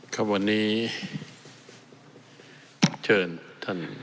ครับวันนี้เชิญท่าน